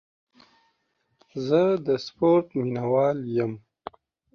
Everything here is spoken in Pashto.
زه د سپورټ مینهوال یم.